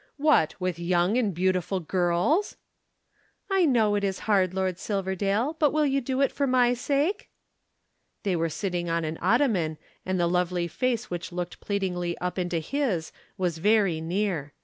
"What! With young and beautiful girls?" "I know it is hard, Lord Silverdale, but you will do it for my sake!" They were sitting on an ottoman, and the lovely face which looked pleadingly up into his was very near.